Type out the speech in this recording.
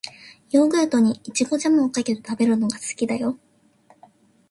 ヨーグルトに、いちごジャムをかけて食べるのが好きだよ。